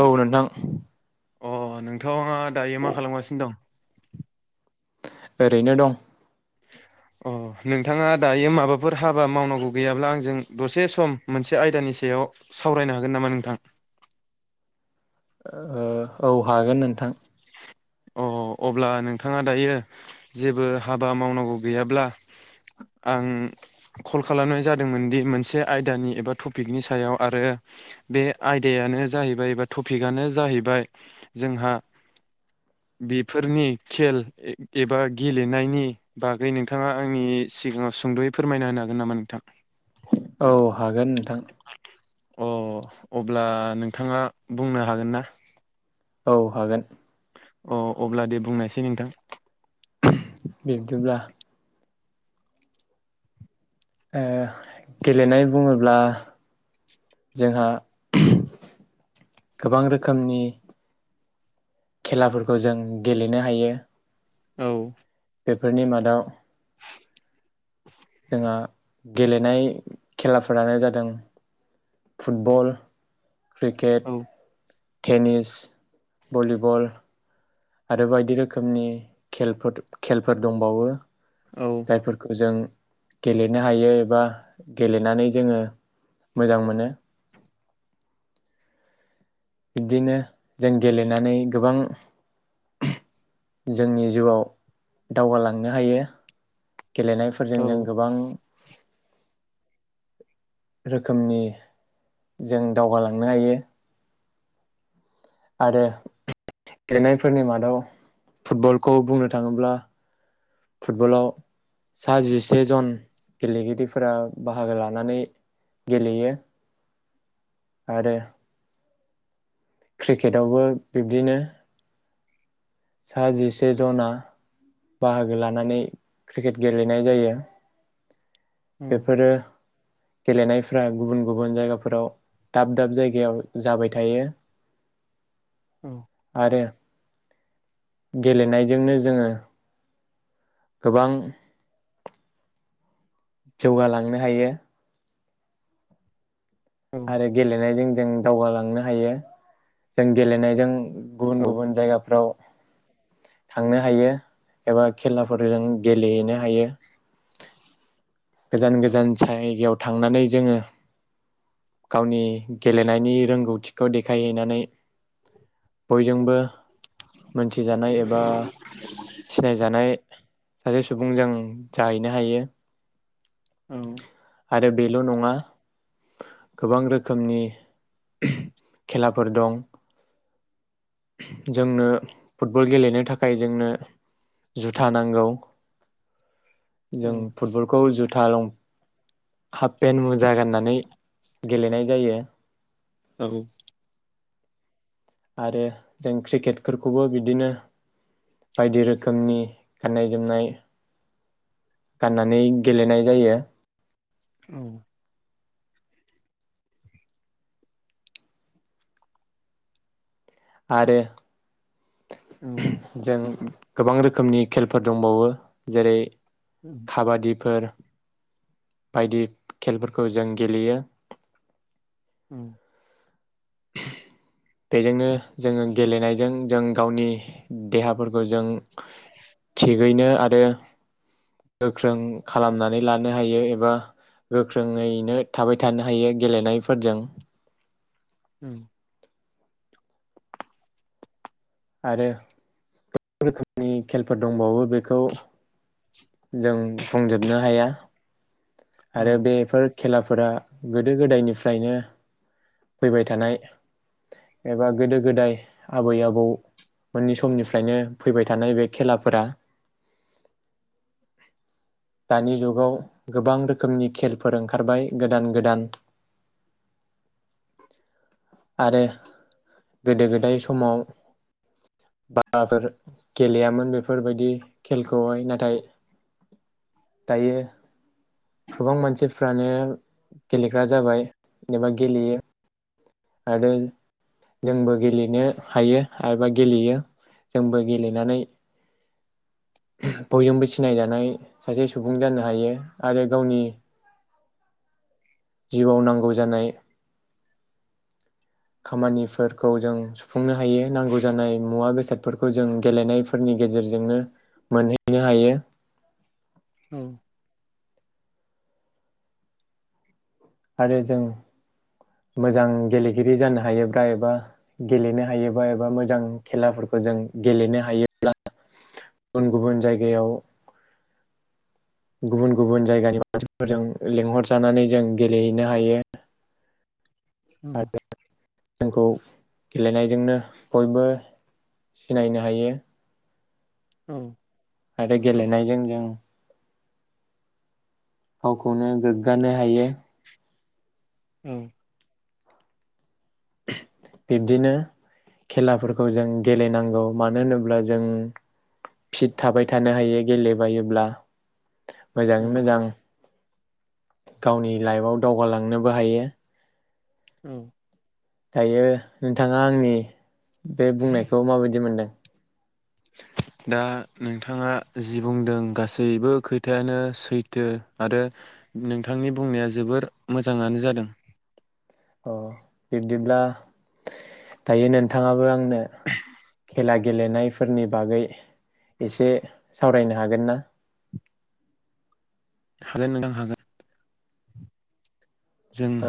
औ नोंथां। अ नोंथाङा दायो मा खालामगासिनो दं? ओरैनो दं। अ नोंथाङा दायो माबाफोर हाबा मावनांगौ गैयाब्ला आंजों दसे सम मोनसे आयदानि सायाव सावरायनो हागोन नामा नोंथां? ओ औ हागोन नोंथां। अ अब्ला नोंथाङा दायो जेबो हाबा मावनांगौ गैयाब्ला। आं कल खालामनाय जादोंमोनदि मोनसे आयदानि एबा टपिकनि सायाव, आरो बे आयदायानो जाहैबाय एबा टपिकआनो जाहैबाय जोंहा बेफोरनि खेल एबा गेलेनायनि बागै नोंथाङा आंनि सिगाङाव सुंद'यै फोरमायना होनो हागोन नामा नोंथां? औ हागोन नोंथां। अ अब्ला नोंथाङा बुंनो हागोन ना? औ हागोन। अ अब्ला दे बुंनायसाय नोंथां। बिबदिब्ला। ओ गेलेनाय बुङोब्ला जोंहा गोबां रोखोमनि खेलाफोरखौ जों गेलेनो हायो। औ। बेफोरनि मादाव। [inaudible] जोंहा गेलेनाय खेलाफोरानो जादों फुटबल। औ क्रिकेट। Tennis, volleyball. आरो बायदि रोखोमनि खेलफोर खेलफोर दंबावो। औ जायफोरखौ जों गेलेनो हायो एबा गेलेनानै जोङो मोजां मोनो। बिब्दिनो जों गेलेनानै, गोबां जोंनि जिउआव दावगालांनो हायो। औ गेलेनायफोरजों जों गोबां रोखोमनि जों दावगालांनो हायो। आरो गेलेनायफोरनि मादाव, फुटबलखौ बुंनो थाङोब्ला। फुटबलाव सा जिसे जन गेलेगिरिफोरा बाहागो लानानै गेलेयो आरो क्रिकेटआवबो बिब्दिनो। सा जिसे जना बाहागो लानानै क्रिकेट गेलेनाय जायो। औ बेफोरो गेलेनायफ्रा गुबुन गुबुन जायगाफोराव दाब दाब जायगायाव जाबाय थायो। औ आरो गेलेनायजोंनो जोङो गोबां जौगालांनो हायो। औ आरो गेलेनाय जों दावगालांनो हायो जों गेलेनायजों गुबुन औ गुबुन जायगाफ्राव थांनो हायो एबा खेलाफोरजों गेलेहैनो हायो। गोजान गोजान जायगायाव थांनानै जोङो गावनि गेलेनायनि रोंगौथिखौ देखायहैनानै बयजोंबो मोनथिजानाय एबा सिनायजानाय सासे सुबुं जों जाहैनो हायो। औ आरो बेल' नङा गोबां रोखोमनि खेलाफोर दं। जोंनो फुटबल गेलेनो थाखाय जोंनो जुथा नांगौ जों फुटबलखौ जुथा लं हाफपेन्ट मुजा गाननानै गेलेनाय जायो। औ आरो जों क्रिकेटफोरखौबो बिदिनो बायदि रोखोमनि गाननाय जोमनाय गाननानै गेलेनाय जायो। औ आरो जों गोबां रोखोमनि खेलफोर दंबावो जेरै खाबादिफोर बायदि खेलफोरखौ जों गेलेयो। औ [inaudible] बेजोंनो जोङो गेलेनायजों जों गावनि देहाफोरखौ जों थिगैनो आरो गोख्रों खालामनानै लानो हायो एबा गोख्रोङैनो थाबाय थानो हायो गेलेनायफोरजों ओम आरो गोबां रोखोमनि खेलफोर दंबावो बे खौ जों बुंजोबनो हाया आरो बेफोर खेलाफोरा गोदो-गोदायनिफ्रायनो फैबाय थानाय एबा गोदो-गोदाय आबै-आबौ मोननि समनिफ्रायनो फैबाय थानाय बे खेलाफोरा दानि जुगाव गोबां रोखोमनि खेलफोर ओंखारबाय गोदान गोदान आरो गोदो-गोदाय समाव बाराफोर गेलेयामोन बेफोरबायदि खेलखौहाय नाथाय दायो गोबां मानसिफ्रानो गेलेग्रा जाबाय एबा गेलेयो। आरो जोंबो गेलेनो हायो एबा गेलेयो जोंबो गेलेनानै बयजोंबो सिनायजानाय सासे सुबुं जानो हायो आरो गावनि जिउआव नांगौ जानाय खामानिफोरखौ जों सुफुंनो हायो। नांगौ जानाय मुवा बेसादफोरखौ जों गेलेनायफोरनि गेजेरजोंनो मोनहैनो हायो। औ। आरो जों। मोजां गेलेगिरि जानो हायोब्ला एबा गेलेनो हायोबा एबा मोजां खेलाफोरखौ जों गेलेनो हायोब्ला, गुबुन गुबुन जायगायाव गुबुन गुबुन जायगानि मानसिफोरजों लिंहरजानानै जों गेलेहैनो हायो। ओम। आरो जोंखौ गेलेनाय जोंनो बयबो सिनायनो हायो। औ। आरो गेलेनायजों जों। गावखौनो गोग्गानो हायो। औ। बिब्दिनो खेलाफोरखौ जों गेलेनांगौ मानो होनोब्ला जों फिट थाबाय थानो हायो गेलेबायोब्ला। मोजाङै मोजां। गावनि लाइफआव दावगालांनोबो हायो। औ। दायो नोंथाङा आंनि बे बुंनायखौ माबायदि मोनदों? दा नोंथाङा जि बुंदों गासैबो खोथायानो सैथो आरो, नोंथांनि बुंनाया जोबोर मोजाङानो जादों। अ बिब्दिब्ला दायो नोंथाङाबो आंनो खेला गेलेनायफोरनि बागै एसे सावरायनो हागोन ना? हागोन नोंथां हागोन।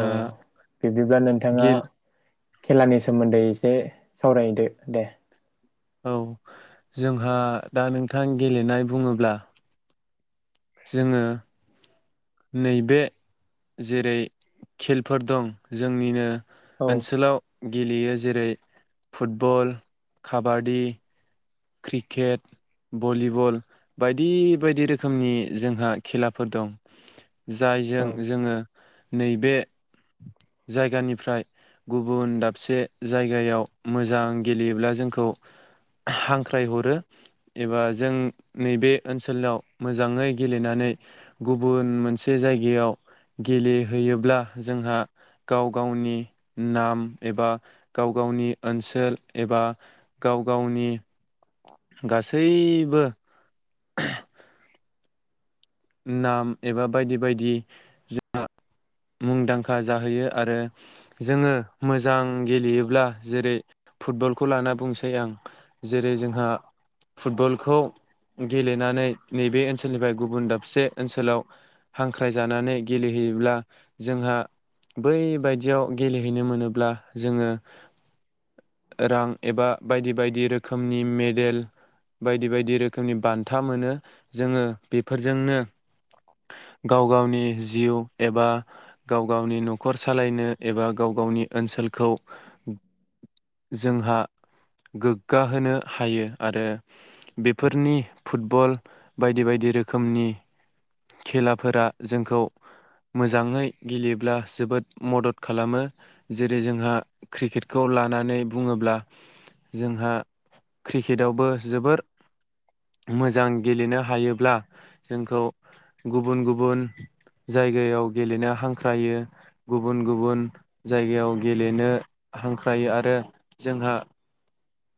अ बिब्दिब्ला नोंथाङा। गिल खेलानि सोमोन्दै एसे सावरायदो दे। औ जोंहा दा नोंथां गेलेनाय बुङोब्ला। जोङो। नैबे जेरै खेलफोर दं जोंनिनो औ ओनसोलाव। गेलेयो जेरै फुटबल, काबादि। क्रिकेट, भलिबल बायदि बायदि रोखोमनि जोंहा खेलाफोर दं। जायजों औ जोङो नैबे जायगानिफ्राय गुबुन दाबसे जायगायाव मोजां गेलेयोब्ला जोंखौ हां‌ हांख्रायहरो, एबा जों नैबे ओनसोलाव मोजाङै गेलेनानै गुबुन मोनसे जायगायाव गेलेहैयोब्ला जोंहा गाव गावनि नाम एबा गाव गावनि ओनसोल एबा गाव गावनि गासैबो [inaudible] नाम एबा बायदि बायदि, जोंहा मुंदांखा जाहैयो आरो जोङो मोजां गेलेयोब्ला जेरै फुटबलखौ लाना बुंसै आं जेरै जोंहा फुटबलखौ गेलेनानै नैबे ओनसोलनिफ्राय गुबुन दाब मोनसे ओनसोलाव हांख्राय जानानै गेलेहैयोब्ला। जोंहा बै बायदियाव गेलेहैनो मोनोब्ला जोङो रां एबा बायदि बायदि रोखोमनि मेडेल बायदि बायदि रोखोमनि बान्था मोनो। जोङो बेफोर जोंनो गाव गावनि जिउ एबा गाव गावनि न'खर सालायनो। एबा गाव गावनि ओनसोलखौ जोंहा गोग्गा होनो हायो। आरो बेफोरनि फुटबल बायदि बायदि रोखोम रोखोमनि खेलाफोरा जोंखौ मोजाङै गेलेयोब्ला जोबोद मदद खालामो। जेरै जोंहा क्रिकेटखौ लानानै बुङोब्ला जोंहा क्रिकेटआवबो जोबोद मोजां गेलेनो हायोब्ला। जोंखौ गुबुन गुबुन जायगायाव गेलेनो हांख्रायो, गुबुन गुबुन जायगायाव गेलेनो हांख्रायो आरो जोंहा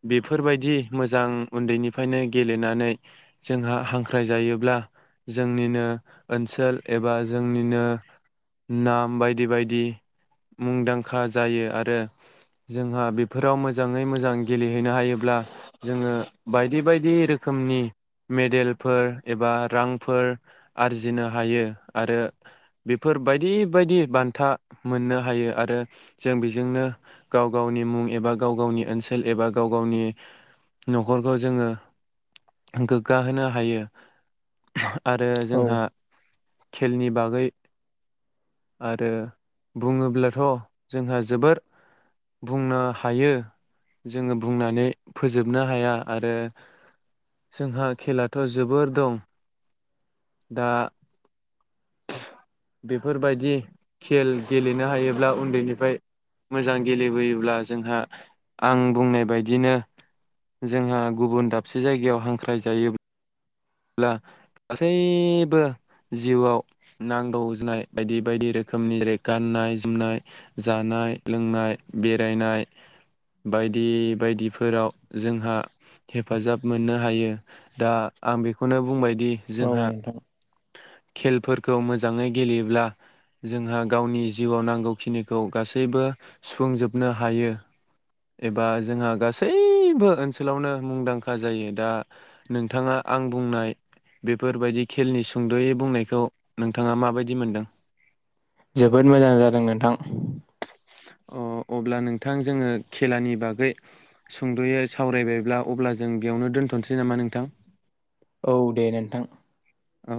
बेफोरबायदि मोजां उन्दैनिफ्रायनो गेलेनानै जोंहा हांख्राय जायो। ब्ला जोंनिनो ओनसोल एबा जोंनिनो नाम बायदि बायदि मुंदांखा जायो, आरो जोंहा बेफोराव मोजाङै मोजां गेलेहैनो हायोब्ला जोङो बायदि बायदि रोखोमनि मेडेलफोर एबा रांफोर आरजिनो हायो आरो बेफोर बायदि बायदि बान्था मोननो हायो आरो जों बेजोंनो गाव गावनि मुं एबा गाव गावनि ओनसोल एबा गाव गावनि न'खरखौ जोङो गोग्गा होनो हायो। [inaudible] आरो औ जोंहा। खेलनि बागै आरो बुङोब्लाथ' जोंहा जोबोर बुंनो हायो जोङो, बुंनानै फोजोबनो हाया आरो जोंहा खेलाथ' जोबोर दं। दा बेफोरबायदि खेल गेलेनो हायोब्ला, उन्दैनिफ्राय मोजां गेलेबोयोब्ला जोंहा आं बुंनाय बायदिनो जोंहा गुबुन दाबसे जायगायाव हांख्राय जायोब्ला ब्ला गासैबो जिउआव नांगौ जानाय बायदि बायदि रोखोमनि जेरै गाननाय जोमनाय जानाय लोंनाय बेरायनाय बायदि बायदिफोराव जोंहा हेफाजाब मोननो हायो दा आं बे बेखौनो बुंबाय दि औ जोंहा नोंथां खेलफोरखौ मोजाङै गेलेयोब्ला जोंहा गावनि जिउआव नांगौखिनिखौ गासैबो सुफुंजोबनो हायो एबा जोंहा गासैबो ओनसोलावनो मुंदांखा जायो दा नोंथाङा आं बुंनाय बेफोरबायदि खेलनि सुंद'यै बुंनायखौ नोंथाङा माबायदि मोनदों? जोबोद मोजां जादों नोंथां। अ अब्ला नोंथां जोङो खेलानि बागै सुंद'यै सावरायबायब्ला अब्ला जों बेयावनो दोन्थ'सै नामा नोंथां? औ दे नोंथां औ